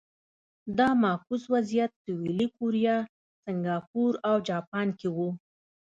دا معکوس وضعیت سویلي کوریا، سینګاپور او جاپان کې و.